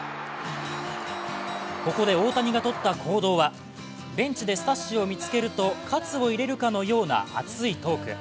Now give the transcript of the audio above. ここで大谷がとった行動は、ベンチでスタッシを見つけると喝を入れるかのような熱いトーク。